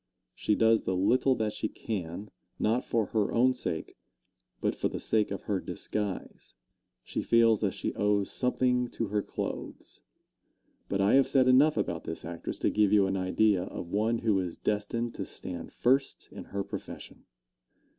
She does the little that she can, not for her own sake, but for the sake of her disguise she feels that she owes something to her clothes. But I have said enough about this actress to give you an idea of one who is destined to stand first in her profession.